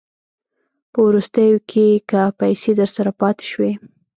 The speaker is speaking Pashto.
په وروستیو کې که پیسې درسره پاته شوې